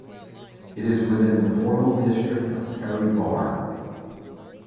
It is within the formal district of Perry Barr.